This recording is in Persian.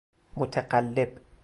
متقلب